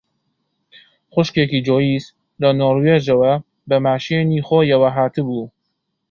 خوشکێکی جۆیس لە نۆروێژەوە بە ماشێنی خۆیەوە هاتبوو